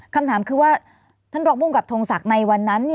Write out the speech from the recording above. คำถามคือว่าท่านรองภูมิกับทงศักดิ์ในวันนั้น